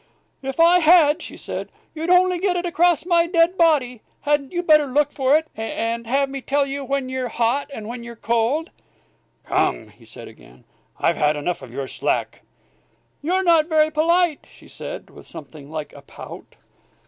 "If I had," said she, "you'd only get it across my dead body! Hadn't you better look for it, and have me tell you when you're hot and when you're cold?" "Come!" said he, again; "I've had enough of your slack " "You're not very polite," she said, with something like a pout.